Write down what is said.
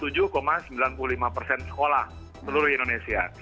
jadi itu empat puluh dua sembilan puluh lima sekolah seluruh indonesia